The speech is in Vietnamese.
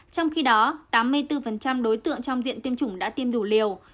trong khi đó tám mươi bốn đối tượng trong viện tiêm chủng đã tiêm đủ liều